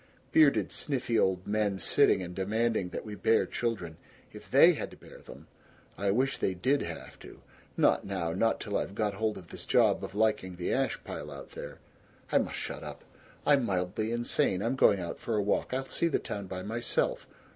Bearded sniffy old men sitting and demanding that we bear children. If THEY had to bear them ! I wish they did have to! Not now! Not till I've got hold of this job of liking the ash pile out there! ... I must shut up. I'm mildly insane. I'm going out for a walk. I'll see the town by myself.